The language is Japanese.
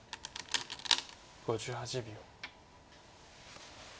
５８秒。